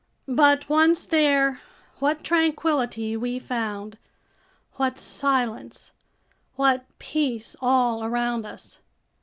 But once there, what tranquility we found, what silence, what peace all around us!